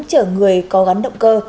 chở người có gắn động cơ